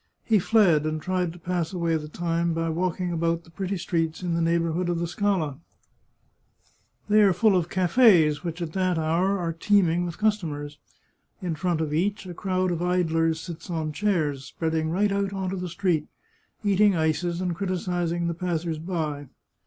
He fled, and tried to pass away the time by walking about the pretty streets in the neighbourhood of the Scala Theatre. They are full of cafes, which at that hour are 102 The Chartreuse of Parma teeming with customers. In front of each, a crowd of idlers sits on chairs, spreading right out into the street, eating ices and criticising the passers by.